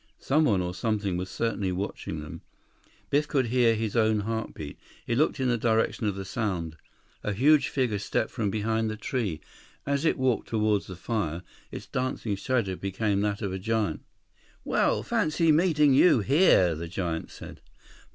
Someone, or something, was certainly watching them. Biff could hear his own heart beat. He looked in the direction of the sound. A huge figure stepped from behind the tree. As it walked toward the fire, its dancing shadow became that of a giant. 117 "Well, fancy meeting you here!" the giant said.